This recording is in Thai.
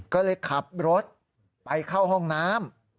ก็เลยขับรถไปเข้าห้องน้ำ